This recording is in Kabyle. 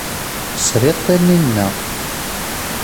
Sriɣ Taninna.